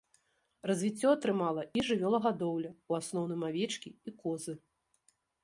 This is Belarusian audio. Развіццё атрымала і жывёлагадоўля, у асноўным авечкі і козы.